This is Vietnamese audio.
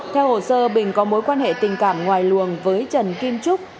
theo hồ sơ bình có mối quan hệ tình cảm ngoài luồng với trần kim trúc